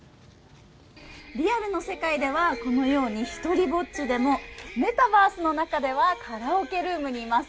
リアルの世界ではこのように独りぼっちでもメタバースの中ではカラオケルームにいます。